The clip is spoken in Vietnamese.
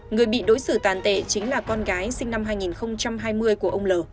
người bị đối xử tàn tệ chính là con gái sinh năm hai nghìn hai mươi của ông l